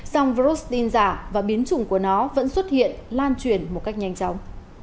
song virus tin giả và biến chủng của nó vẫn xuất hiện lan truyền một cách nhanh chóng